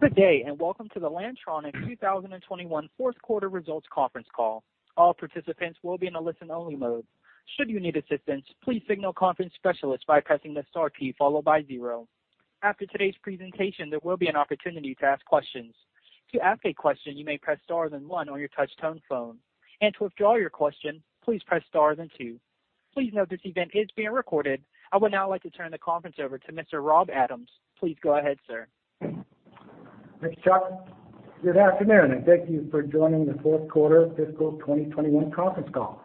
Good day, welcome to the Lantronix 2021 fourth quarter results conference call. All participants will be in a listen-only mode. Should you need assistance, please signal conference specialist by the star key followed by zero. After today's presentation there will be an opportunity to ask questions. To ask a question you may press star then one or you touch tone phone and to withdraw your question please press star then two. Please note this event is being recorded. I would now like to turn the conference over to Mr. Rob Adams. Please go ahead, sir. Thanks, Chuck. Good afternoon, and thank you for joining the fourth quarter fiscal 2021 conference call.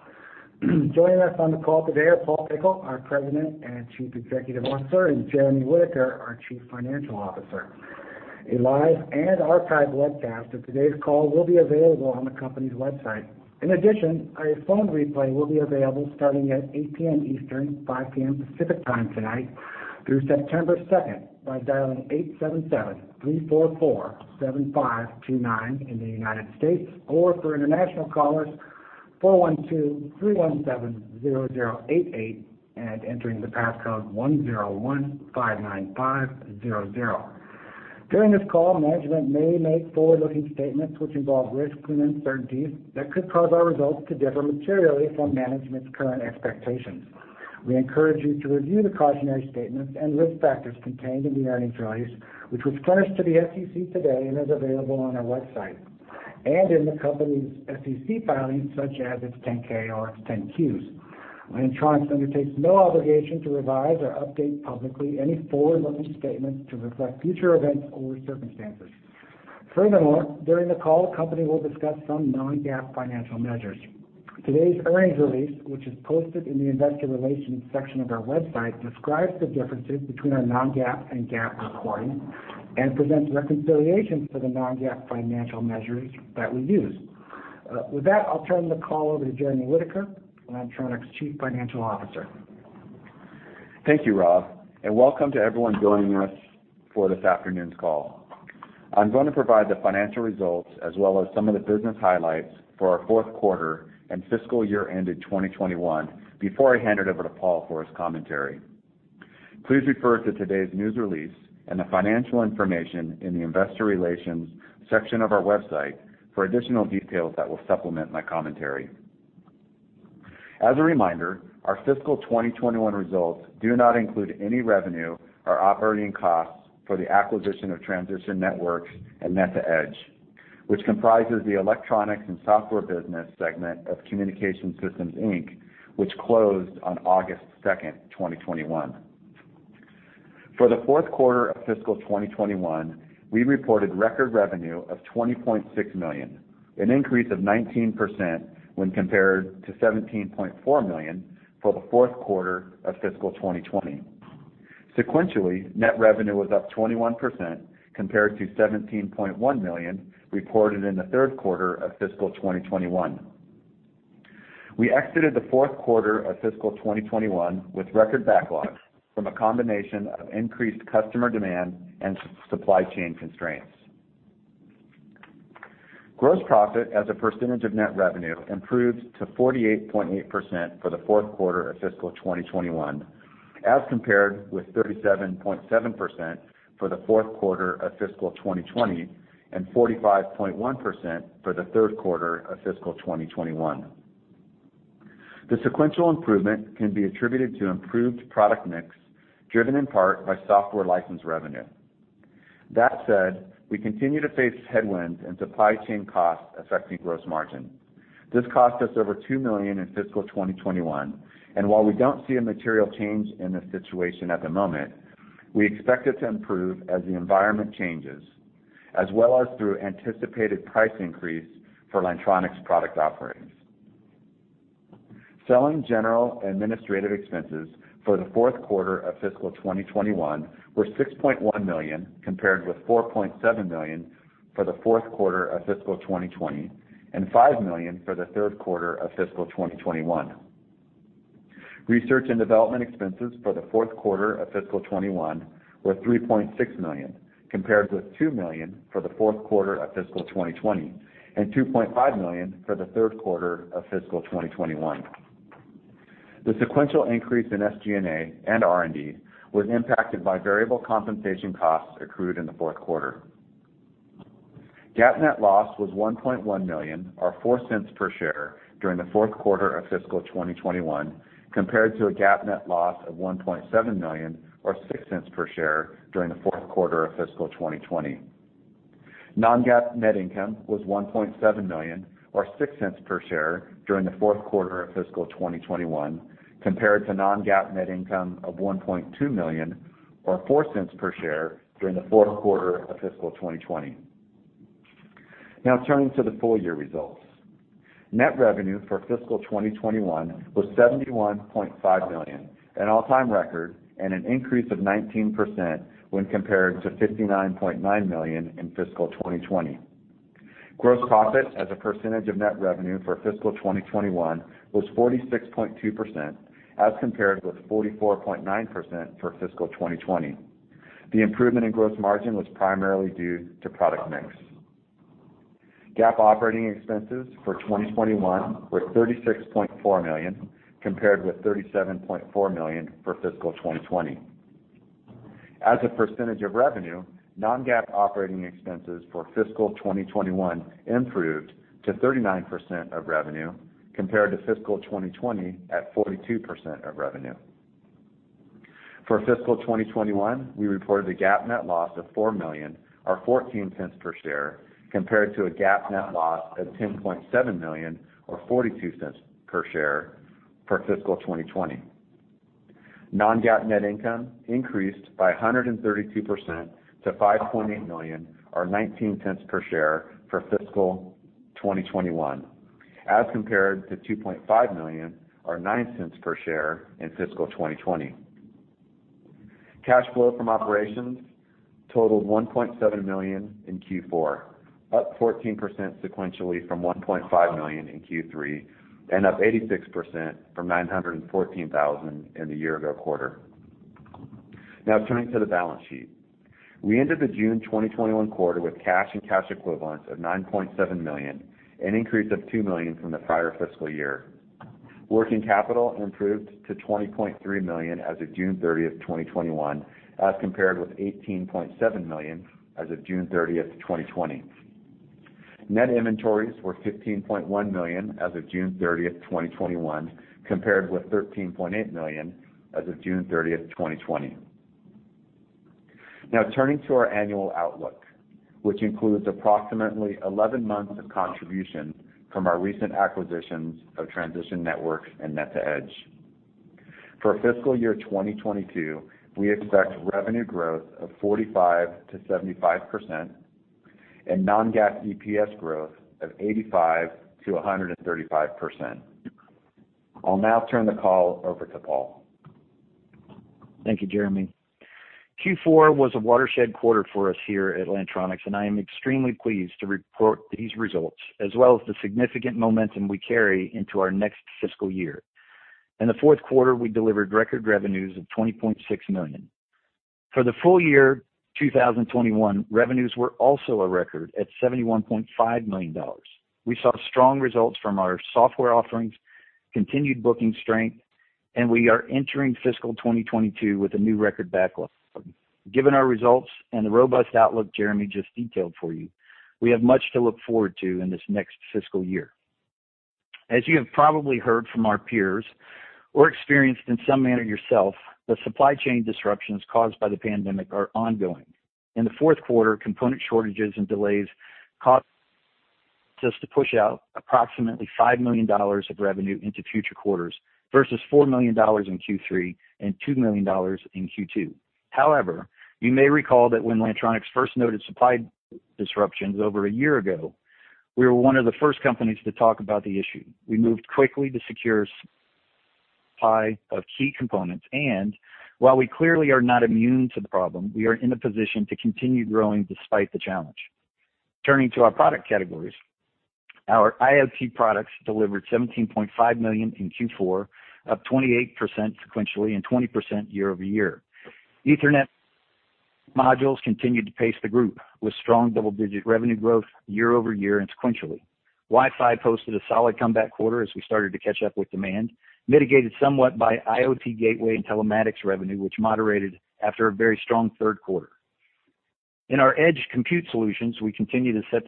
Joining us on the call today are Paul Pickle, our President and Chief Executive Officer, and Jeremy Whittaker, our Chief Financial Officer. A live and archived webcast of today's call will be available on the company's website. In addition, a phone replay will be available starting at 8:00 P.M. Eastern, 5:00 P.M. Pacific Time tonight through September 2nd by dialing 877-344-7529 in the United States, or for international callers, 412-317-0088 and entering the passcode 10159500. During this call, management may make forward-looking statements which involve risks and uncertainties that could cause our results to differ materially from management's current expectations. We encourage you to review the cautionary statements and risk factors contained in the earnings release which was furnished to the SEC today and is available on our website, and in the company's SEC filings such as its 10-K or its 10-Qs. Lantronix undertakes no obligation to revise or update publicly any forward-looking statements to reflect future events or circumstances. Furthermore, during the call, the company will discuss some non-GAAP financial measures. Today's earnings release, which is posted in the investor relations section of our website, describes the differences between our non-GAAP and GAAP reporting and presents reconciliations for the non-GAAP financial measures that we use. With that, I'll turn the call over to Jeremy Whittaker, Lantronix Chief Financial Officer. Thank you, Rob, and welcome to everyone joining us for this afternoon's call. I'm going to provide the financial results as well as some of the business highlights for our fourth quarter and fiscal year ended 2021 before I hand it over to Paul for his commentary. Please refer to today's news release and the financial information in the investor relations section of our website for additional details that will supplement my commentary. As a reminder, our fiscal 2021 results do not include any revenue or operating costs for the acquisition of Transition Networks and Net2Edge, which comprises the electronics and software business segment of Communications Systems, Inc., which closed on August 2nd, 2021. For the fourth quarter of fiscal 2021, we reported record revenue of $20.6 million, an increase of 19% when compared to $17.4 million for the fourth quarter of fiscal 2020. Sequentially, net revenue was up 21% compared to $17.1 million reported in the third quarter of fiscal 2021. We exited the fourth quarter of fiscal 2021 with record backlogs from a combination of increased customer demand and supply chain constraints. Gross profit as a percentage of net revenue improved to 48.8% for the fourth quarter of fiscal 2021, as compared with 37.7% for the fourth quarter of fiscal 2020 and 45.1% for the third quarter of fiscal 2021. The sequential improvement can be attributed to improved product mix, driven in part by software license revenue. That said, we continue to face headwinds and supply chain costs affecting gross margin. This cost us over $2 million in fiscal 2021, and while we don't see a material change in this situation at the moment, we expect it to improve as the environment changes, as well as through anticipated price increase for Lantronix product offerings. Selling, general, and administrative expenses for the fourth quarter of fiscal 2021 were $6.1 million, compared with $4.7 million for the fourth quarter of fiscal 2020 and $5 million for the third quarter of fiscal 2021. Research and development expenses for the fourth quarter of fiscal 2021 were $3.6 million, compared with $2 million for the fourth quarter of fiscal 2020 and $2.5 million for the third quarter of fiscal 2021. The sequential increase in SG&A and R&D was impacted by variable compensation costs accrued in the fourth quarter. GAAP net loss was $1.1 million, or $0.04 per share during the fourth quarter of fiscal 2021, compared to a GAAP net loss of $1.7 million, or $0.06 per share during the fourth quarter of fiscal 2020. Non-GAAP net income was $1.7 million, or $0.06 per share during the fourth quarter of fiscal 2021, compared to non-GAAP net income of $1.2 million, or $0.04 per share during the fourth quarter of fiscal 2020. Now turning to the full year results. Net revenue for fiscal 2021 was $71.5 million, an all-time record, and an increase of 19% when compared to $59.9 million in fiscal 2020. Gross profit as a percentage of net revenue for fiscal 2021 was 46.2%, as compared with 44.9% for fiscal 2020. The improvement in gross margin was primarily due to product mix. GAAP operating expenses for 2021 were $36.4 million, compared with $37.4 million for fiscal 2020. As a percentage of revenue, non-GAAP operating expenses for fiscal 2021 improved to 39% of revenue, compared to fiscal 2020 at 42% of revenue. For fiscal 2021, we reported a GAAP net loss of $4 million, or $0.14 per share, compared to a GAAP net loss of $10.7 million or $0.42 per share for fiscal 2020. Non-GAAP net income increased by 132% to $5.8 million, or $0.19 per share for fiscal 2021, as compared to $2.5 million or $0.09 per share in fiscal 2020. Cash flow from operations totalled $1.7 million in Q4, up 14% sequentially from $1.5 million in Q3, and up 86% from $914,000 in the year ago quarter. Now turning to the balance sheet. We ended the June 2021 quarter with cash and cash equivalents of $9.7 million, an increase of $2 million from the prior fiscal year. Working capital improved to $20.3 million as of June 30th, 2021, as compared with $18.7 million as of June 30th, 2020. Net inventories were $15.1 million as of June 30th, 2021, compared with $13.8 million as of June 30th, 2020. Turning to our annual outlook, which includes approximately 11 months of contribution from our recent acquisitions of Transition Networks and Net2Edge. For fiscal year 2022, we expect revenue growth of 45%-75% and non-GAAP EPS growth of 85%-135%. I'll now turn the call over to Paul. Thank you, Jeremy. Q4 was a watershed quarter for us here at Lantronix, I am extremely pleased to report these results, as well as the significant momentum we carry into our next fiscal year. In the fourth quarter, we delivered record revenues of $20.6 million. For the full year 2021, revenues were also a record at $71.5 million. We saw strong results from our software offerings, continued booking strength, we are entering fiscal 2022 with a new record backlog. Given our results and the robust outlook Jeremy just detailed for you, we have much to look forward to in this next fiscal year. As you have probably heard from our peers or experienced in some manner yourself, the supply chain disruptions caused by the pandemic are ongoing. In the fourth quarter, component shortages and delays caused us to push out approximately $5 million of revenue into future quarters versus $4 million in Q3 and $2 million in Q2. However, you may recall that when Lantronix first noted supply disruptions over 1 year ago, we were one of the first companies to talk about the issue. We moved quickly to secure supply of key components, and while we clearly are not immune to the problem, we are in a position to continue growing despite the challenge. Turning to our product categories. Our IoT products delivered $17.5 million in Q4, up 28% sequentially and 20% year-over-year. Ethernet modules continued to pace the group with strong double-digit revenue growth year-over-year and sequentially. Wi-Fi posted a solid comeback quarter as we started to catch up with demand, mitigated somewhat by IoT gateway and telematics revenue, which moderated after a very strong third quarter. In our edge compute solutions, we continue to set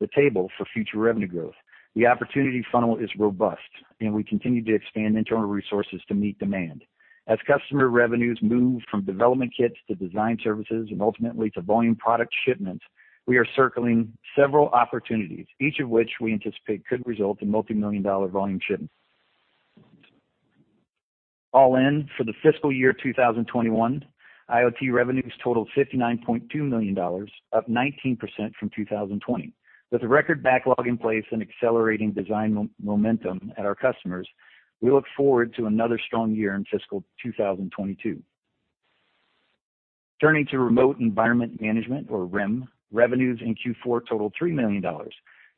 the table for future revenue growth. The opportunity funnel is robust, and we continue to expand internal resources to meet demand. As customer revenues move from development kits to design services and ultimately to volume product shipments, we are circling several opportunities, each of which we anticipate could result in multimillion-dollar volume shipments. All in, for the fiscal year 2021, IoT revenues totaled $59.2 million, up 19% from 2020. With a record backlog in place and accelerating design momentum at our customers, we look forward to another strong year in fiscal 2022. Turning to remote environment management, or REM, revenues in Q4 totaled $3 million,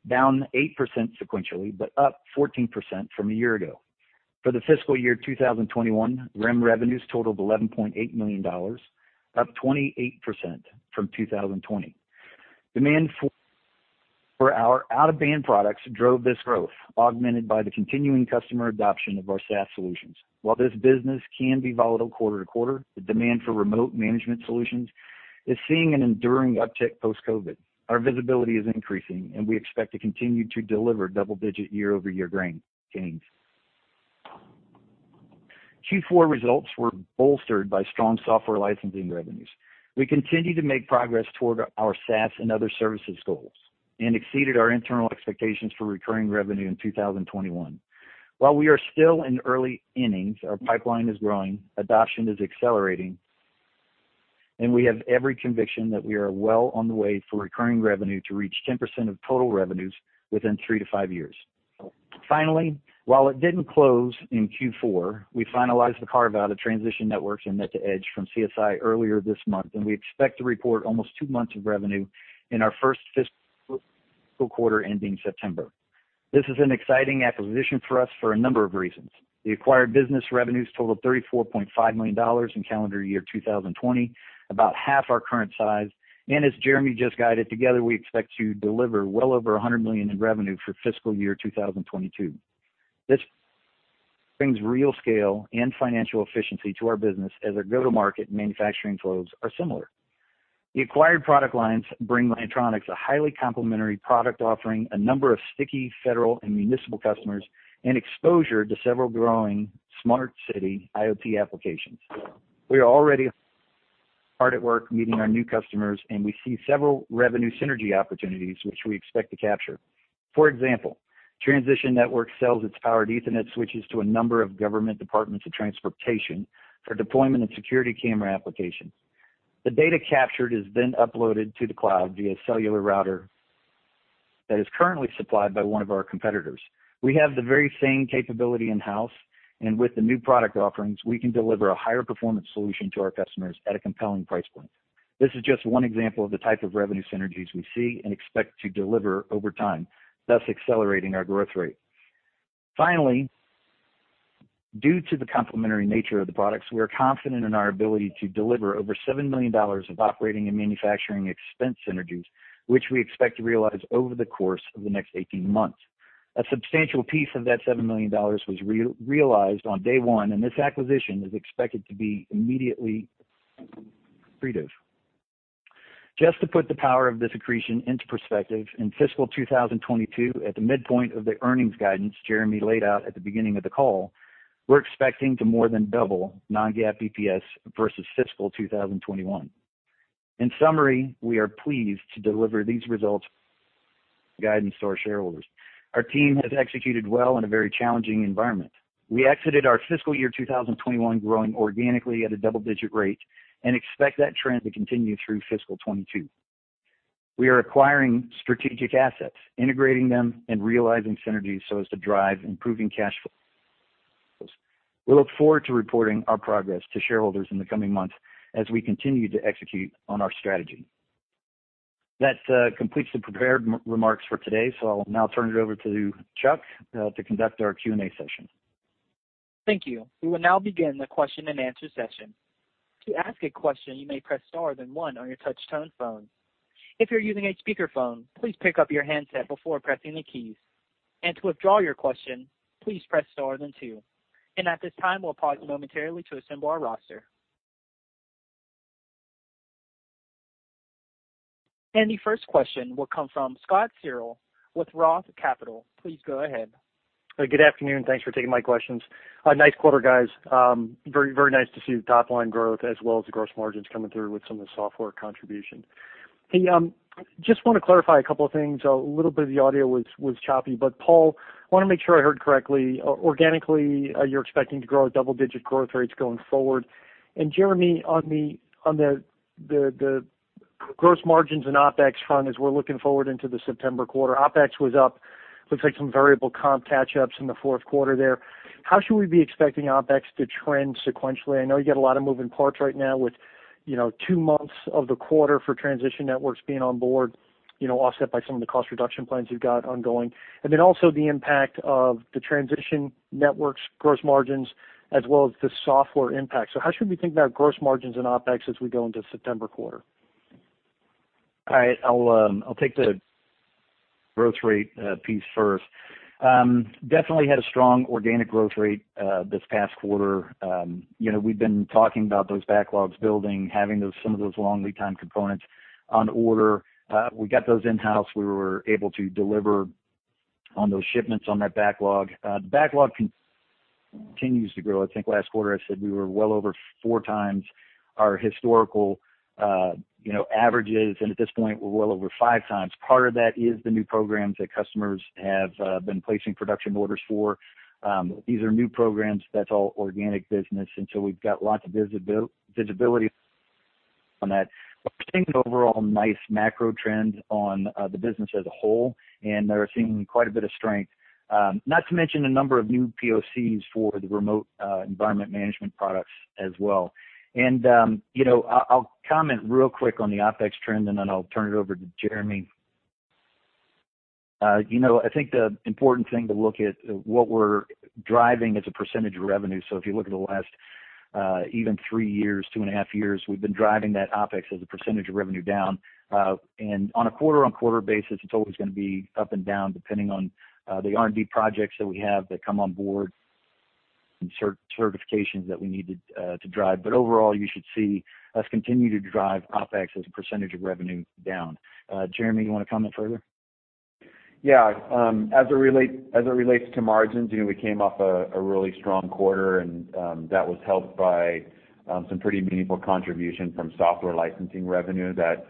down 8% sequentially, but up 14% from a year ago. For the fiscal year 2021, REM revenues totaled $11.8 million, up 28% from 2020. Demand for our out-of-band products drove this growth, augmented by the continuing customer adoption of our SaaS solutions. While this business can be volatile quarter to quarter, the demand for remote management solutions is seeing an enduring uptick post-COVID. Our visibility is increasing, and we expect to continue to deliver double-digit year-over-year gains. Q4 results were bolstered by strong software licensing revenues. We continue to make progress toward our SaaS and other services goals and exceeded our internal expectations for recurring revenue in 2021. While we are still in early innings, our pipeline is growing, adoption is accelerating, and we have every conviction that we are well on the way for recurring revenue to reach 10% of total revenues within 3-5 years. Finally, while it didn't close in Q4, we finalized the carve-out of Transition Networks and Net2Edge from CSI earlier this month, and we expect to report almost two months of revenue in our first fiscal quarter ending September. This is an exciting acquisition for us for a number of reasons. The acquired business revenues totaled $34.5 million in calendar year 2020, about half our current size, and as Jeremy just guided, together, we expect to deliver well over $100 million in revenue for fiscal year 2022. This brings real scale and financial efficiency to our business as our go-to-market manufacturing flows are similar. The acquired product lines bring Lantronix a highly complementary product offering, a number of sticky federal and municipal customers, and exposure to several growing smart city IoT applications. We are already hard at work meeting our new customers, we see several revenue synergy opportunities which we expect to capture. For example, Transition Networks sells its powered Ethernet switches to a number of government departments of transportation for deployment and security camera applications. The data captured is uploaded to the cloud via cellular router that is currently supplied by one of our competitors. We have the very same capability in-house, with the new product offerings, we can deliver a higher performance solution to our customers at a compelling price point. This is just one example of the type of revenue synergies we see and expect to deliver over time, thus accelerating our growth rate. Finally, due to the complementary nature of the products, we are confident in our ability to deliver over $7 million of operating and manufacturing expense synergies, which we expect to realize over the course of the next 18 months. A substantial piece of that $7 million was realized on day one, and this acquisition is expected to be immediately accretive. Just to put the power of this accretion into perspective, in fiscal 2022, at the midpoint of the earnings guidance Jeremy laid out at the beginning of the call, we're expecting to more than double non-GAAP EPS versus fiscal 2021. In summary, we are pleased to deliver these results guidance to our shareholders. Our team has executed well in a very challenging environment. We exited our fiscal year 2021 growing organically at a double-digit rate and expect that trend to continue through fiscal 2022. We are acquiring strategic assets, integrating them and realizing synergies so as to drive improving cash flows. We look forward to reporting our progress to shareholders in the coming months as we continue to execute on our strategy. That completes the prepared remarks for today. I'll now turn it over to Chuck to conduct our Q&A session. Thank you. We will now begin the question and answer session. To ask a question, you may press star, then one on your touchtone phone. If you're using a speakerphone, please pick up your handset before pressing the keys. To withdraw your question, please press star then two. At this time, we'll pause momentarily to assemble our roster. The first question will come from Scott Searle with Roth Capital. Please go ahead. Good afternoon. Thanks for taking my questions. Nice quarter, guys. Very nice to see the top-line growth as well as the gross margins coming through with some of the software contribution. Hey, just want to clarify a couple of things. A little bit of the audio was choppy, but Paul, want to make sure I heard correctly. Organically, you're expecting to grow at double-digit growth rates going forward. Jeremy, on the gross margins and OpEx front, as we're looking forward into the September quarter, OpEx was up. Looks like some variable comp catch-ups in the fourth quarter there. How should we be expecting OpEx to trend sequentially? I know you got a lot of moving parts right now with two months of the quarter for Transition Networks being on board, offset by some of the cost reduction plans you've got ongoing, and then also the impact of the Transition Networks gross margins as well as the software impact. How should we think about gross margins and OpEx as we go into September quarter? All right. I'll take the growth rate piece first. Definitely had a strong organic growth rate this past quarter. We've been talking about those backlogs building, having some of those long lead time components on order. We got those in-house. We were able to deliver on those shipments on that backlog. The backlog continues to grow. I think last quarter I said we were well over four times our historical averages, and at this point, we're well over five times. Part of that is the new programs that customers have been placing production orders for. These are new programs. That's all organic business until we've got lots of visibility on that. I think overall nice macro trend on the business as a whole, and they're seeing quite a bit of strength. Not to mention a number of new POCs for the remote environment management products as well. And you know I'll comment real quick on the OpEx trend, and then I'll turn it over to Jeremy. You know, I think the important thing to look at what we're driving as a % of revenue. If you look at the last even three years, two and a half years, we've been driving that OpEx as a % of revenue down. On a quarter-over-quarter basis, it's always going to be up and down depending on the R&D projects that we have that come on board and certifications that we need to drive. Overall, you should see us continue to drive OpEx as a % of revenue down. Jeremy, you want to comment further? As it relates to margins, we came off a really strong quarter, that was helped by some pretty meaningful contribution from software licensing revenue that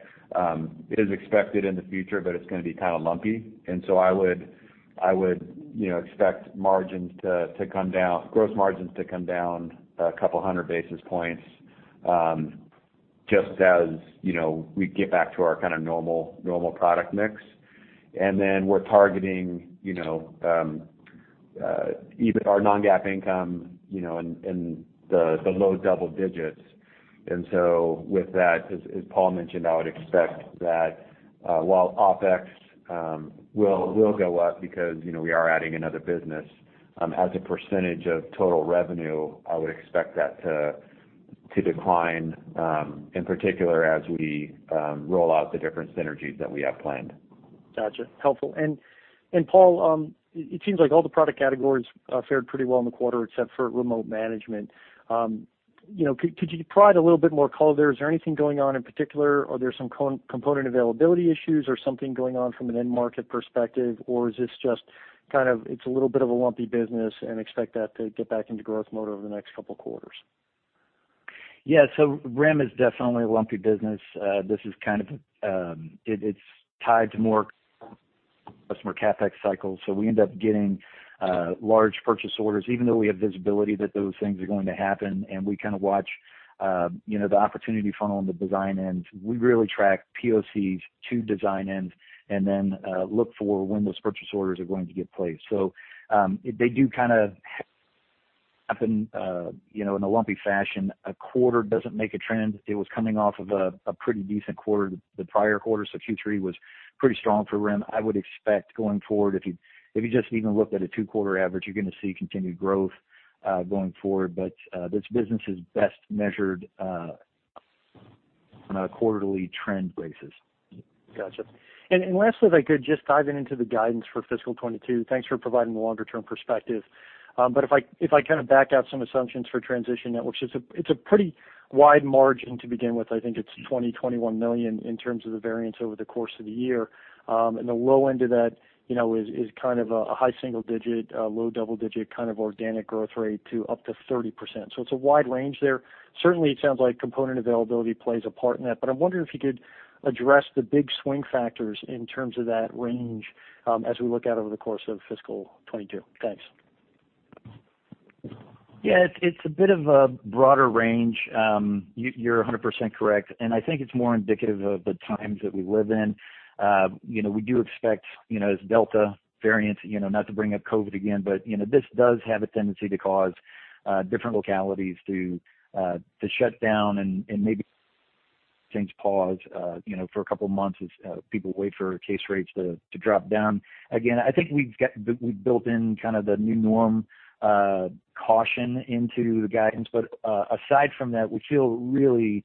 is expected in the future, but it's going to be kind of lumpy. I would expect gross margins to come down 200 basis points, just as we get back to our kind of normal product mix. Then we're targeting our non-GAAP income in the low double digits. With that, as Paul mentioned, I would expect that while OpEx will go up because we are adding another business, as a percentage of total revenue, I would expect that to decline, in particular as we roll out the different synergies that we have planned. Got you. Helpful. Paul, it seems like all the product categories fared pretty well in the quarter except for remote management. Could you provide a little bit more color there? Is there anything going on in particular, are there some component availability issues or something going on from an end market perspective, or is this just kind of, it's a little bit of a lumpy business and expect that to get back into growth mode over the next couple of quarters? Yeah. REM is definitely a lumpy business. It's tied to more customer CapEx cycles, so we end up getting large purchase orders, even though we have visibility that those things are going to happen, and we kind of watch the opportunity funnel on the design end. We really track POCs to design end, and then look for when those purchase orders are going to get placed. They do kind of happen in a lumpy fashion. A quarter doesn't make a trend. It was coming off of a pretty decent quarter the prior quarter, so Q3 was pretty strong for REM. I would expect going forward, if you just even looked at a two quarter average, you're gonna see continued growth going forward. This business is best measured on a quarterly trend basis. Got you. Lastly, if I could just dive into the guidance for fiscal 2022. Thanks for providing the longer-term perspective. If I kind of back out some assumptions for Transition Networks, it's a pretty wide margin to begin with. I think it's $20 million-$21 million in terms of the variance over the course of the year. The low end of that is kind of a high single-digit, low double-digit kind of organic growth rate to up to 30%. It's a wide range there. Certainly, it sounds like component availability plays a part in that, I'm wondering if you could address the big swing factors in terms of that range as we look out over the course of fiscal 2022. Thanks. Yeah. It's a bit of a broader range. You're 100% correct, and I think it's more indicative of the times that we live in. We do expect, as Delta variant, not to bring up COVID again, but this does have a tendency to cause different localities to shut down and maybe things pause for a couple of months as people wait for case rates to drop down again. I think we've built in kind of the new norm caution into the guidance. Aside from that, we feel really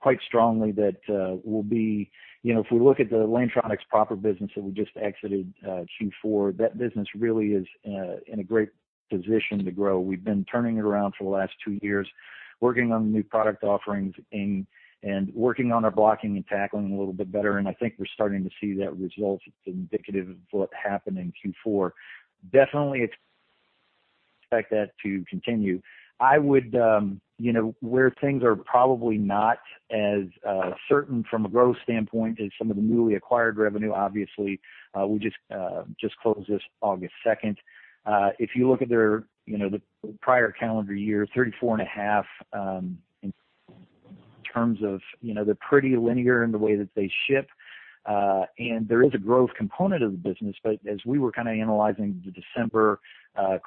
quite strongly that if we look at the Lantronix proper business that we just exited Q4, that business really is in a great position to grow. We've been turning it around for the last two years, working on new product offerings and working on our blocking and tackling a little bit better, and I think we're starting to see that result. It's indicative of what happened in Q4. Definitely expect that to continue. Where things are probably not as certain from a growth standpoint is some of the newly acquired revenue, obviously. We just closed this August 2nd. If you look at their prior calendar year, $34 and a half, in terms of, they're pretty linear in the way that they ship. There is a growth component of the business, but as we were kind of analyzing the December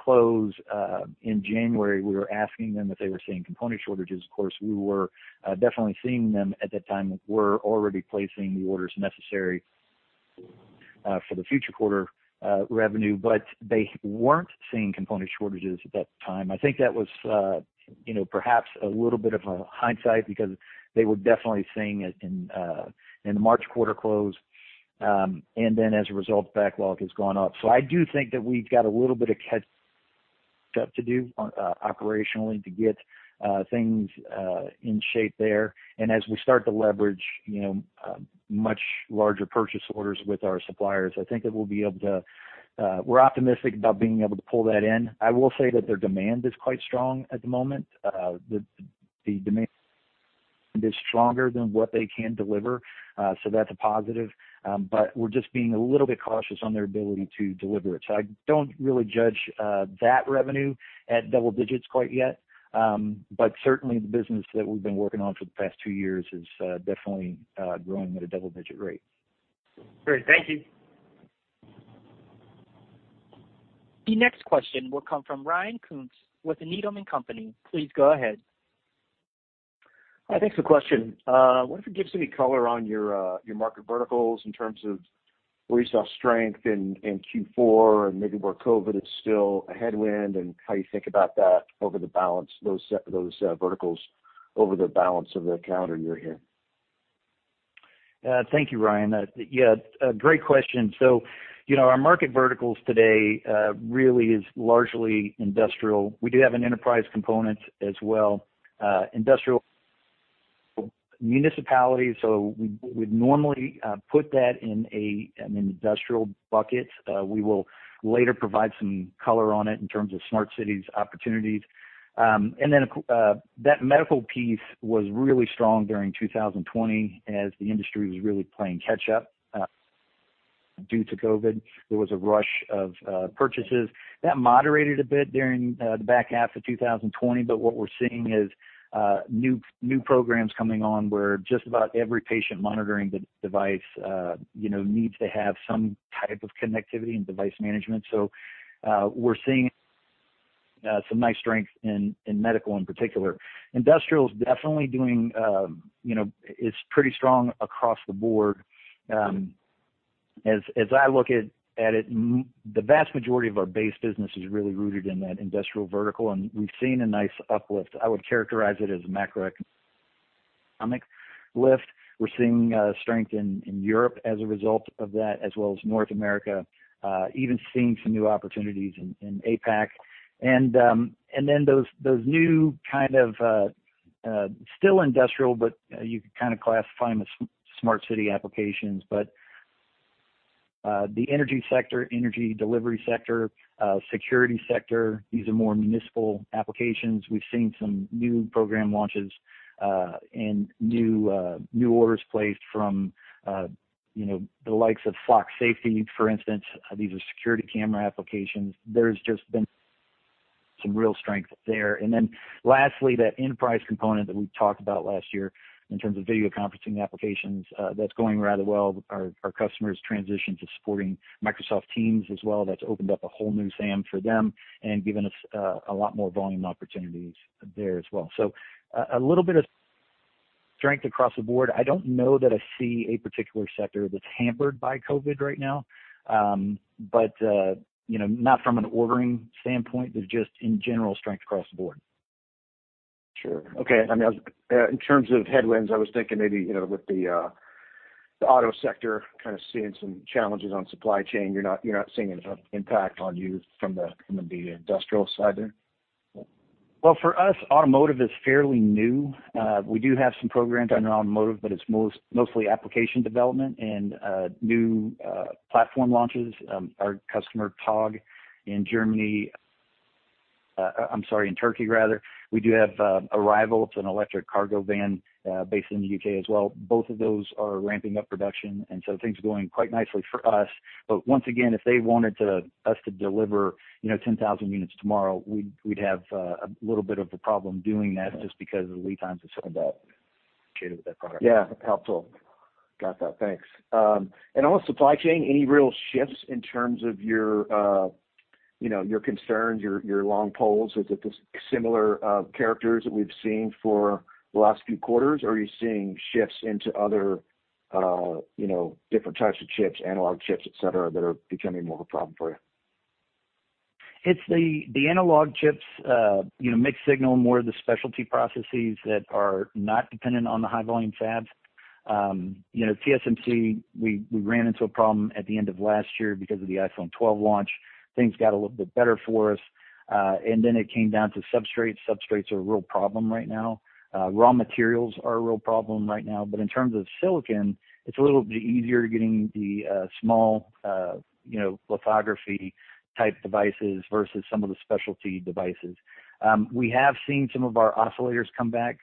close in January, we were asking them if they were seeing component shortages. Of course, we were definitely seeing them at that time. We're already placing the orders necessary for the future quarter revenue. They weren't seeing component shortages at that time. I think that was perhaps a little bit of a hindsight, because they were definitely seeing it in the March quarter close. As a result, backlog has gone up. I do think that we've got a little bit of catch-up to do operationally to get things in shape there. As we start to leverage much larger purchase orders with our suppliers, I think that we're optimistic about being able to pull that in. I will say that their demand is quite strong at the moment. The demand is stronger than what they can deliver. That's a positive, but we're just being a little bit cautious on their ability to deliver it. I don't really judge that revenue at double digits quite yet. Certainly the business that we've been working on for the past two years is definitely growing at a double-digit rate. Great. Thank you. The next question will come from Ryan Koontz with Needham & Company. Please go ahead. Hi. Thanks for the question. I wonder if you could give us any color on your market verticals in terms of where you saw strength in Q4 and maybe where COVID is still a headwind and how you think about that over the balance, those verticals over the balance of the calendar year here. Thank you, Ryan. Great question. Our market verticals today really is largely industrial. We do have an enterprise component as well. Industrial municipality, we'd normally put that in an industrial bucket. We will later provide some color on it in terms of smart cities opportunities. That medical piece was really strong during 2020 as the industry was really playing catch up due to COVID. There was a rush of purchases. That moderated a bit during the back half of 2020, what we're seeing is new programs coming on where just about every patient monitoring device needs to have some type of connectivity and device management. We're seeing some nice strength in medical, in particular. Industrial is definitely pretty strong across the board. As I look at it, the vast majority of our base business is really rooted in that industrial vertical, and we've seen a nice uplift. I would characterize it as a macroeconomic lift. We're seeing strength in Europe as a result of that, as well as North America. Even seeing some new opportunities in APAC. Those new kind of still industrial, but you could kind of classify them as smart city applications, but the energy sector, energy delivery sector, security sector, these are more municipal applications. We've seen some new program launches and new orders placed from the likes of Flock Safety, for instance. These are security camera applications. There's just been some real strength there. Lastly, that enterprise component that we talked about last year in terms of video conferencing applications, that's going rather well. Our customers transition to supporting Microsoft Teams as well. That's opened up a whole new SAM for them and given us a lot more volume opportunities there as well. A little bit of strength across the board. I don't know that I see a particular sector that's hampered by COVID right now. Not from an ordering standpoint, but just in general strength across the board. Sure. Okay. In terms of headwinds, I was thinking maybe, with the auto sector kind of seeing some challenges on supply chain, you're not seeing an impact on you from the industrial side there? Well, for us, automotive is fairly new. We do have some programs under automotive, but it's mostly application development and new platform launches. Our customer, Togg, in Turkey, rather. We do have Arrival. It's an electric cargo van based in the U.K. as well. Both of those are ramping up production, things are going quite nicely for us. Once again, if they wanted us to deliver 10,000 units tomorrow, we'd have a little bit of a problem doing that just because of the lead times associated with that product. Yeah. Helpful. Got that. Thanks. On supply chain, any real shifts in terms of your concerns, your long poles? Is it the similar characters that we've seen for the last few quarters, or are you seeing shifts into other different types of chips, analog chips, et cetera, that are becoming more of a problem for you? It's the analog chips, mixed signal, more of the specialty processes that are not dependent on the high-volume fabs. TSMC, we ran into a problem at the end of last year because of the iPhone 12 launch. Things got a little bit better for us. It came down to substrates. Substrates are a real problem right now. Raw materials are a real problem right now. In terms of silicon, it's a little bit easier getting the small lithography-type devices versus some of the specialty devices. We have seen some of our oscillators come back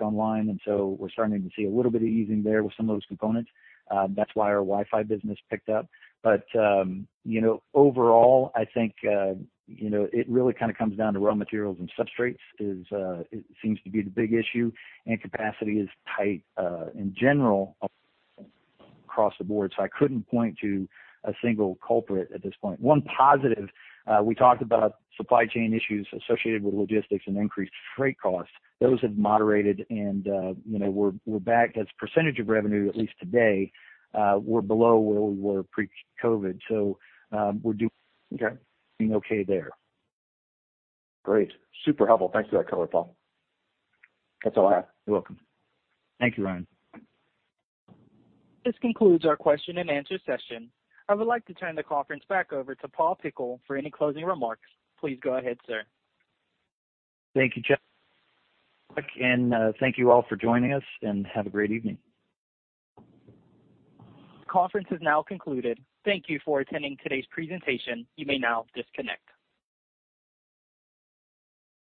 online. We're starting to see a little bit of easing there with some of those components. That's why our Wi-Fi business picked up. Overall, I think it really kind of comes down to raw materials and substrates, it seems to be the big issue. Capacity is tight in general across the board. I couldn't point to a single culprit at this point. One positive, we talked about supply chain issues associated with logistics and increased freight costs. Those have moderated and we're back as percentage of revenue, at least today, we're below where we were pre-COVID. Okay okay there. Great. Super helpful. Thanks for that color, Paul. That's all I have. You're welcome. Thank you, Ryan. This concludes our question and answer session. I would like to turn the conference back over to Paul Pickle for any closing remarks. Please go ahead, sir. Thank you, Jeff. Thank you all for joining us, and have a great evening. This conference has now concluded. Thank you for attending today's presentation. You may now disconnect.